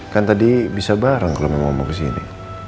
kan tadi bisa bareng kalo mama mau kesini